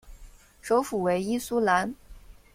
首府为伊苏兰。